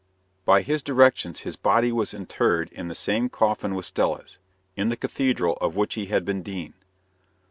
By his directions his body was interred in the same coffin with Stella's, in the cathedral of which he had been dean.